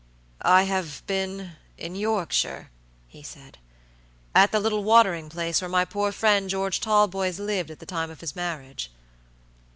"I have beenin Yorkshire," he said; "at the little watering place where my poor friend George Talboys lived at the time of his marriage."